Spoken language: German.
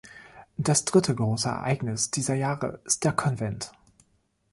Das dritte große Ereignis dieser Jahre ist der Konvent.